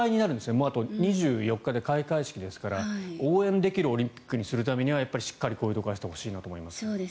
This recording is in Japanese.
もうあと２４日で開会式ですから応援できるオリンピックにするためにはしっかりこういうところはしてほしいなと思います。